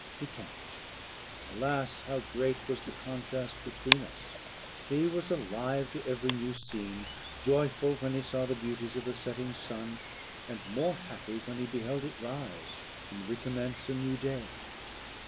He came. Alas, how great was the contrast between us! He was alive to every new scene; joyful when he saw the beauties of the setting sun, and more happy when he beheld it rise, and recommence a new day.